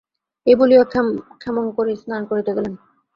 এই বলিয়া ক্ষেমংকরী স্নান করিতে গেলেন।